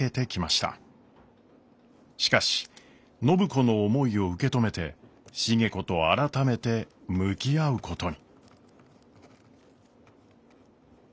しかし暢子の思いを受け止めて重子と改めて向き合うことに。